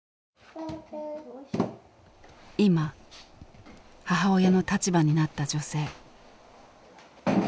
今母親の立場になった女性。